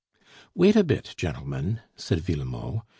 "Wait a bit, gentlemen," said Villemot.